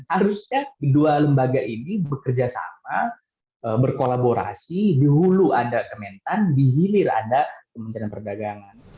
harusnya dua lembaga ini bekerja sama berkolaborasi di hulu ada kementan di hilir ada kementerian perdagangan